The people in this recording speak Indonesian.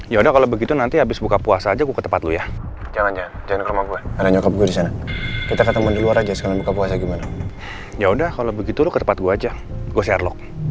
ya udah kalau begitu nanti habis buka puasa aja ke tempat lu ya jangan jangan jangan rumah gue ada nyokap gue di sana kita ketemu di luar aja sekarang buka puasa gimana ya udah kalau begitu lu ke tempat gua aja gue sherlock